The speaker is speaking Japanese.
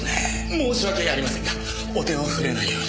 申し訳ありませんがお手を触れないように。